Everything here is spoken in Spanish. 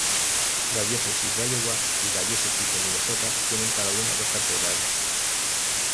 La Diócesis de Iowa y la Diócesis de Minnesota tienen cada una dos catedrales.